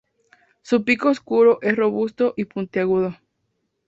Su pico oscuro es robusto y puntiagudo.